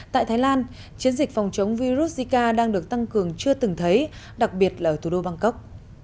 tại thái lan chiến dịch phòng chống virus zika đang được tăng cường chưa từng thấy đặc biệt là ở thủ đô bangkok